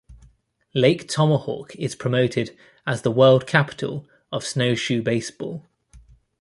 Lake Tomahawk is promoted as the "World Capital of Snowshoe Baseball".